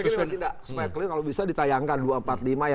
supaya klien kalau bisa ditayangkan dua ratus empat puluh lima ya